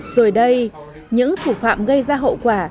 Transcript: rồi đây những thủ phạm gây ra hậu quả